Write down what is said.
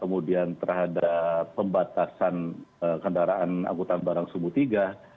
kemudian terhadap pembatasan kendaraan angkutan barang subuh tiga